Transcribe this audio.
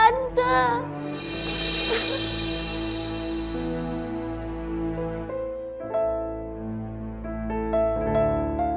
saat itu mereka berdua mempercayai diri